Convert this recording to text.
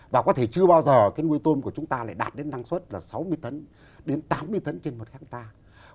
và có thể chưa bao giờ cái nuôi tôm của chúng ta lại đạt đến năng suất là sáu mươi tấn đến tám mươi tấn trên một hectare